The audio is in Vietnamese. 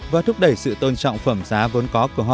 và thúc đẩy sự tôn trọng phẩm giá vốn có của họ